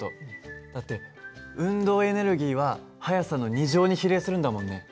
だって運動エネルギーは速さの２乗に比例するんだもんね。